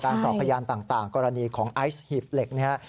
การสอบพยานต่างกรณีของไอ้ไซ์หีบเหล็กนี้